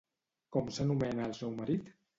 Com s'anomena el seu marit?